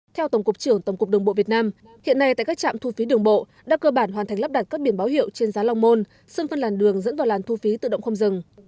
theo tổng cục trưởng tổng cục đường bộ việt nam hiện nay tại các trạm thu phí đường bộ đã cơ bản hoàn thành lắp đặt các biển báo hiệu trên giá long môn sân phân làn đường dẫn vào làn thu phí tự động không dừng